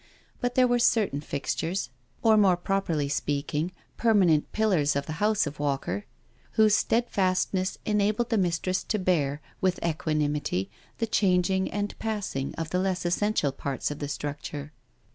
But there were certain fixtures, or more properly speaking, permanent pillars of the house of Walker, whose stead fastness enabled the mbtress to bear, with equanimity, the changing and passing of the less essential parts of the structure.